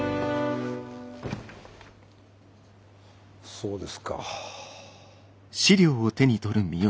そうですか。